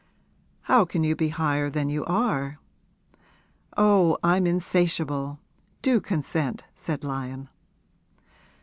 'How can you be higher than you are?' 'Oh, I'm insatiable! Do consent,' said Lyon.